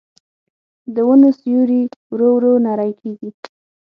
د ونو سیوري ورو ورو نری کېږي